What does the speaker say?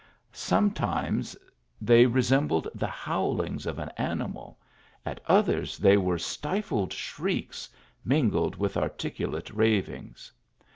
Sometimes they resembled the howlings of an animal, at others they were stifled shrieks, mingled with articulate ravings.